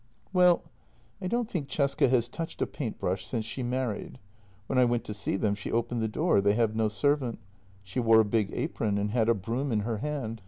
" Well, I don't think Cesca has touched a paint brush since she married. When I went to see them she opened the door; they have no servant. She wore a big apron and had a broom in her hand.